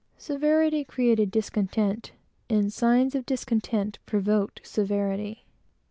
Severity created discontent, and signs of discontent provoked severity.